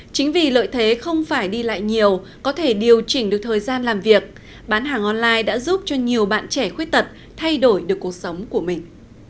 chính vì lợi thế không phải đi lại nhiều có thể điều chỉnh được thời gian làm việc bán hàng online đã giúp cho nhiều bạn trẻ khuyết tật thay đổi được cuộc sống của mình